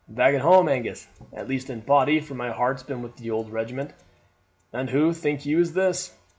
"Back at home, Angus, at least in body, for my heart's been with the old regiment. And who, think you, is this?